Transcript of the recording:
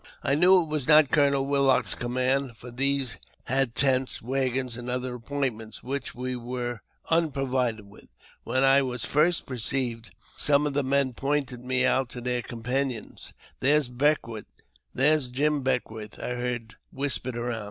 I knew it was not Colonel Willock's command, for these had tents, waggons, and other appointments, which we were un provided with. When I was first perceived, some of the men pointed me out to their companions ;" There's Beckwourth ! there's Jim Beckwourth! " I heard whispered around.